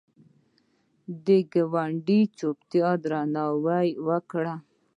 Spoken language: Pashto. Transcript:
د ګاونډي چوپتیا درناوی وکړه